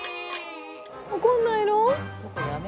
怒んないの？